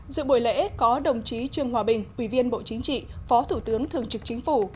dự buổi lễ có đồng chí trương hòa bình ủy viên bộ chính trị phó thủ tướng thường trực chính phủ